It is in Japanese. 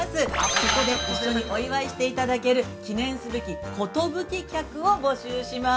そこで一緒にお祝いしていただける記念すべき、寿客を募集します。